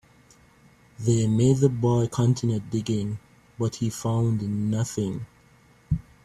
They made the boy continue digging, but he found nothing.